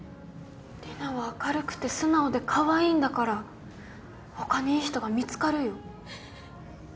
リナは明るくて素直でかわいいんだからほかにいい人が見つかるよ。